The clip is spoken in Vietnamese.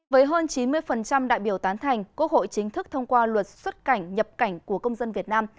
với hơn chín mươi đại biểu tán thành quốc hội chính thức thông qua luật xuất cảnh nhập cảnh của công dân việt nam